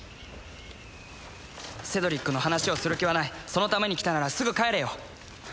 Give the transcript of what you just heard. セドリックの話をする気はないそのために来たならすぐ帰れよ行こう